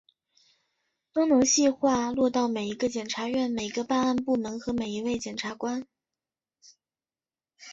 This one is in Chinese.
都能细化落到每一个检察院、每一个办案部门和每一位检察官